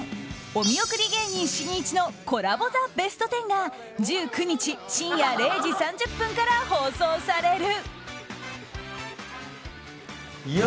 「お見送り芸人しんいちのコラボ・ザ・ベストテン」が１９日深夜０時３０分から放送される。